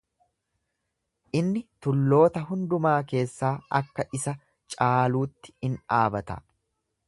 Inni tulloota hundumaa keessaa akka isa caaluutti in dhaabata.